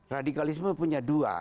radikalisme punya dua